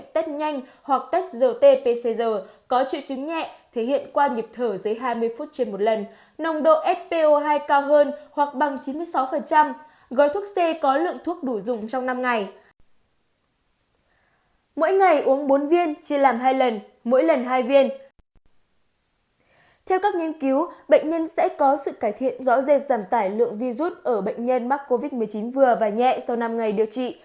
theo các nghiên cứu bệnh nhân sẽ có sự cải thiện rõ rệt giảm tải lượng vi rút ở bệnh nhân mắc covid một mươi chín vừa và nhẹ sau năm ngày điều trị